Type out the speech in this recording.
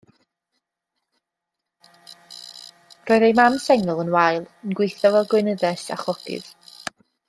Roedd ei mam sengl yn wael, yn gweithio fel gweinyddes a chogydd.